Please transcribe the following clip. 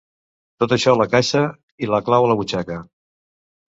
Tot això a la caixa i la clau a la butxaca.